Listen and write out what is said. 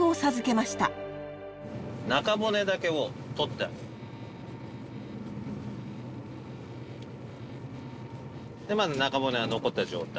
まだ中骨は残った状態。